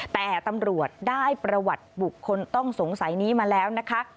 แต่ตำรวจได้ประวัติบุคคลต้องสงสัยนี้มาแล้วนะคะ